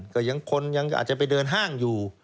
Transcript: ก็ยังคนยังอาจจะไปเดินห้างอยู่